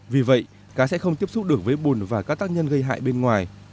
vì vậy cá sẽ không tiếp xúc được với bùn và các tác nhân gây hại bên ngoài